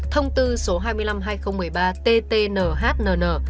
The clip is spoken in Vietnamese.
thông tư số hai mươi năm hai nghìn một mươi ba ttnhnn